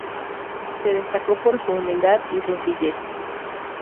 Se destacó por su humildad y sencillez.